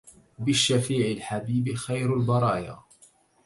بالشفيع الحبيب خير البرايا